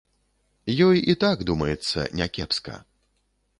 Ёй і так, думаецца, някепска.